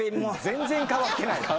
全然変わってない。